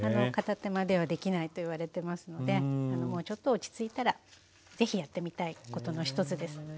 片手間ではできないといわれてますのでもうちょっと落ち着いたら是非やってみたいことの一つです。